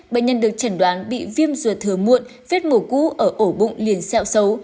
bệnh nhân được chẩn đoán bị viêm ruột thừa muộn viết mổ cú ở ổ bụng liền xeo xấu